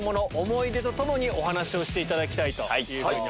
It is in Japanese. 思い出と共にお話をしていただきます。